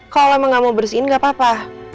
kalo emang gak mau bersihin gak apa apa